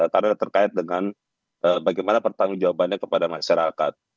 karena terkait dengan bagaimana pertanggung jawabannya kepada masyarakat